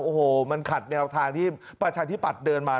โอ้โหมันขัดแนวทางที่ประชาธิปัตย์เดินมา